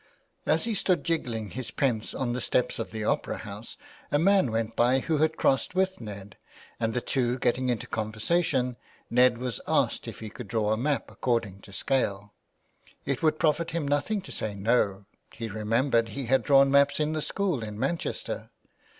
As he stood jingling his pence on the steps of the Opera House a man went by who had crossed with Ned, and the two getting into conversation, Ned was asked if he could draw a map according to scale. It would profit him nothing to say no ; he remembered he had drawn maps in the school in Manchester.